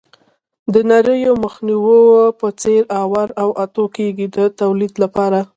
د نریو مخونو په څېر اوار او اتو کېږي د تولید لپاره.